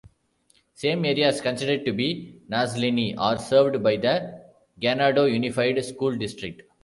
Some areas considered to be "Nazlini" are served by the Ganado Unified School District.